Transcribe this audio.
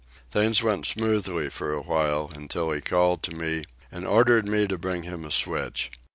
Things went smoothly for a while, until he called me to him, and ordered me to bring him a switch.